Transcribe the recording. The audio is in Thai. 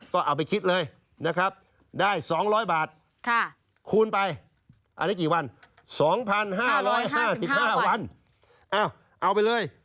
ก็เอาไปคิดเลยนะครับ